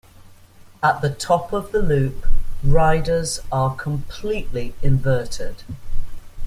At the top of the loop, riders are completely inverted.